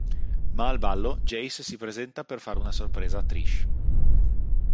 Ma al ballo, Jace si presenta per fare una sorpresa a Trish.